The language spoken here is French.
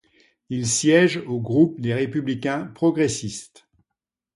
Il siège au groupe des Républicains progressistes.